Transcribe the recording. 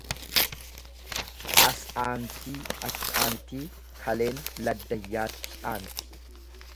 As aantii achii aantii kaleen laddayyatti aanti.